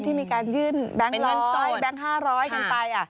ที่มีการยื่นแบงก์ร้อยแบงก์๕๐๐กันไป